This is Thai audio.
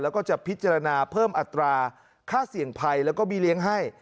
แล้วก็จะพิจารณาเพิ่มอัตราค่าเสี่ยงภัยแล้วก็บี้เลี้ยงให้